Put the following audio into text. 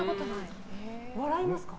笑いますか？